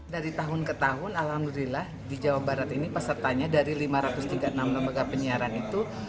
dari tahun ke tahun alhamdulillah di jawa barat ini pesertanya dari lima ratus tiga puluh enam lembaga penyiaran itu